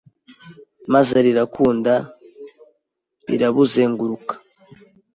maze rirakunda rirabuzenguruka